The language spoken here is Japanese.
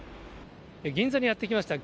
銀座にやって来ました。